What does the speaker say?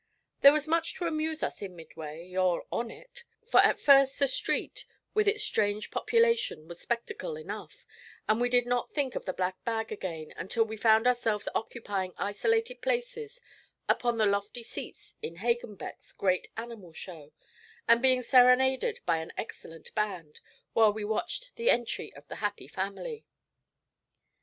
There was much to amuse us in Midway, or on it; for at first the street, with its strange population, was spectacle enough, and we did not think of the black bag again until we found ourselves occupying isolated places upon the lofty seats in Hagenbeck's great animal show, and being serenaded by an excellent band, while we watched the entry of the happy family.